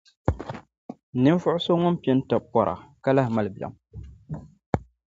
Ninvuɣ' so ŋun pini tibu pɔra, ka lahi mali biɛm.